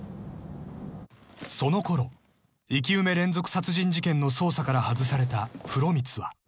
［そのころ生き埋め連続殺人事件の捜査から外された風呂光は］